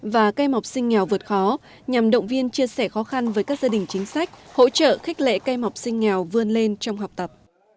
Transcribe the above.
và cây mọc sinh nghèo vượt khó nhằm động viên chia sẻ khó khăn với các gia đình chính sách hỗ trợ khách lệ cây mọc sinh nghèo vươn lên trong học tập